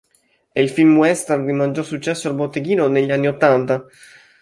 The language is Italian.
È il film western di maggior successo al botteghino negli anni ottanta.